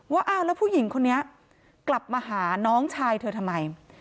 ว่าอ้าวแล้วผู้หญิงคนนี้กลับมาหาน้องชายเธอทำไม